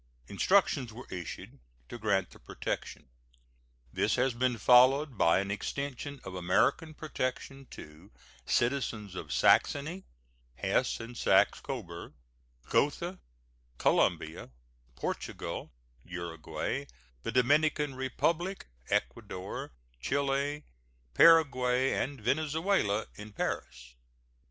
Instructions were issued to grant the protection. This has been followed by an extension of American protection to citizens of Saxony, Hesse and Saxe Coburg, Gotha, Colombia, Portugal, Uruguay, the Dominican Republic, Ecuador, Chile, Paraguay, and Venezuela in Paris.